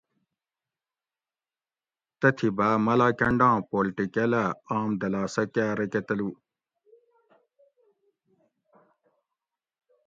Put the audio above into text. تتھی باۤ ملاکنڈاۤں پولٹیکل اۤ آم دلاسہ کاۤ رکہ تلو